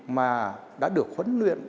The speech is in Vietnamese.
mà đã được huấn luyện